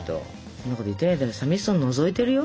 そんなこと言ってないで寂しそうにのぞいてるよ。